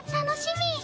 楽しみ。